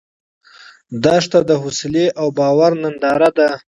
دښته د حوصله او باور ننداره ده.